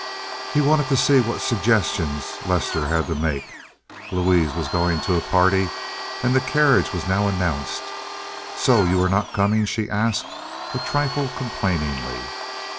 He wanted to see what suggestions Lester had to make. Louise was going to a party, and the carriage was now announced. "So you are not coming?" she asked, a trifle complainingly.